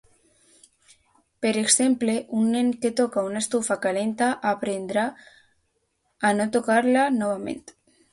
Per exemple, un nen que toca una estufa calenta aprendrà a no tocar-la novament.